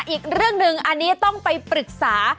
อีกเรื่องหนึ่งอันนี้ต้องไปปรึกษา